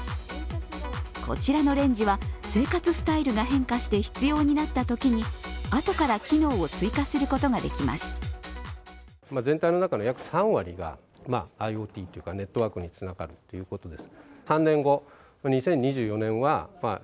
こちらのレンジは生活スタイルが変化して必要になったときに後から機能を追加することができます。